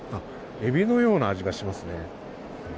エビのような味がしますね。